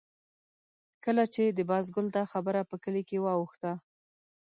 کله چې د بازګل دا خبره په کلي کې واوښته.